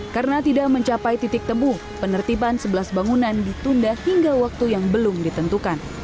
karena tidak mencapai titik temu penertiban sebelas bangunan ditunda hingga waktu yang belum ditentukan